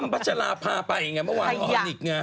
อ้ำปัชฌาภาพาไปไงเมื่อวานออนิก